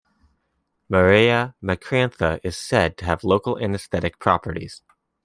"Mareya micrantha" is said to have local anaesthetic properties.